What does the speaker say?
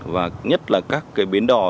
và nhất là các biến đò